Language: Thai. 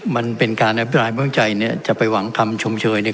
มันเป็นการอภิปรายเบื้องใจเนี่ยจะไปหวังคำชมเชยเนี่ย